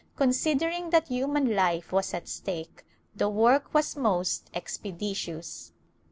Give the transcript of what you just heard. Considering that human life was at stake, the work was most expeditious.